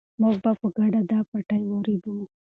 موږ به په ګډه دا پټی ورېبو.